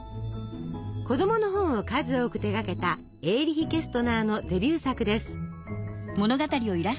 子どもの本を数多く手がけたエーリヒ・ケストナーのデビュー作です。